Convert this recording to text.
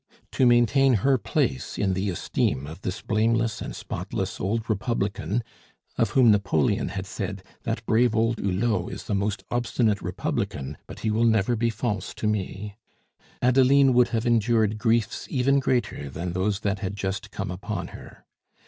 To maintain her place in the esteem of this blameless and spotless old republican of whom Napoleon had said, "That brave old Hulot is the most obstinate republican, but he will never be false to me" Adeline would have endured griefs even greater than those that had just come upon her.